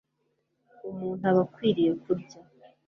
umuntu aba akwiriye kurya